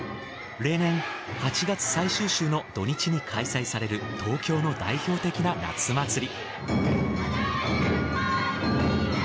例年８月最終週の土日に開催される東京の代表的な夏祭り。